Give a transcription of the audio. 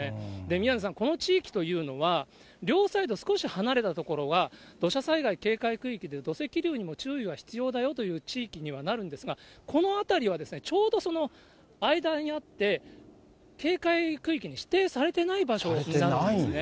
宮根さん、この地域というのは、両サイド、少し離れた所は土砂災害警戒区域で土石流にも注意が必要だよという地域にはなるんですが、この辺りはちょうどその間にあって、警戒区域に指定されてない場所だそうなんですね。